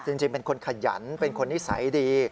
จริงเป็นคนขยันเป็นคนนิสัยดี